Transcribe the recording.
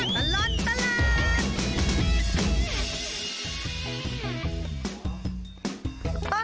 ชั่วตลอดตลาด